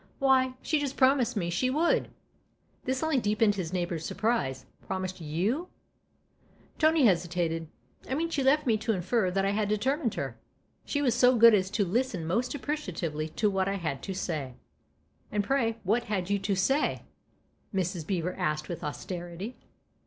"Why, she just promised me she would !" This only deepened his neighbour's surprise. " Promised you ?" Tony hesitated. " I mean she left me to infer that I had determined her. She was so good as to listen most appreciatively to what I had to say." "And, pray, what had you to say?" Mrs. Beever asked with austerity.